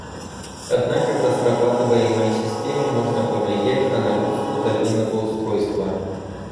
Однако в разрабатываемой системе можно повлиять на нагрузку удаленного устройства